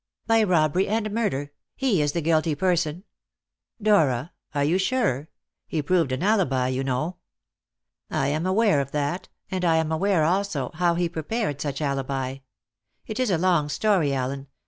"By robbery and murder. He is the guilty person." "Dora are you sure? He proved an alibi, you know." "I am aware of that, and I am aware also how he prepared such alibi. It is a long story, Allen.